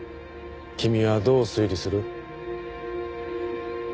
君はどう推理する？